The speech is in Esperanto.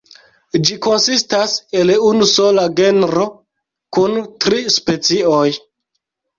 Ĝi konsistas el unu sola genro kun tri specioj.